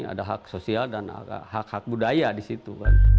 ada hak sosial dan hak hak budaya di situ